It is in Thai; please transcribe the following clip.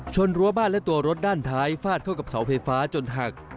รั้วบ้านและตัวรถด้านท้ายฟาดเข้ากับเสาไฟฟ้าจนหัก